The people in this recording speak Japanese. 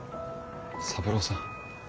三郎さん。